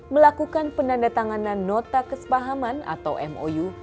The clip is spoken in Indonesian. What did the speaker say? melakukan penandatanganan nota kesepahaman atau mou